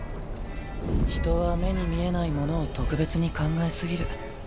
人は目に見えないものを特別に考え過ぎる。